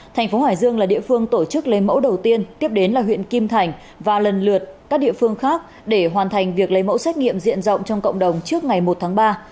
thành phố hải dương là địa phương tổ chức lấy mẫu đầu tiên tiếp đến là huyện kim thành và lần lượt các địa phương khác để hoàn thành việc lấy mẫu xét nghiệm diện rộng trong cộng đồng trước ngày một tháng ba